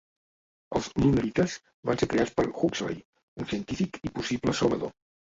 Els Lunarites van ser creats per Huxley, un científic i possible salvador.